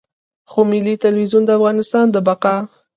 خو ملي ټلویزیون د افغانستان د بقا.